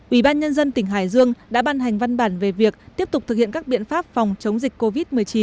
ủy ban nhân dân tỉnh hải dương đã ban hành văn bản về việc tiếp tục thực hiện các biện pháp phòng chống dịch covid một mươi chín